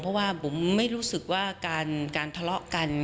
เพราะว่าบุ๋มไม่รู้สึกว่าการทะเลาะกัน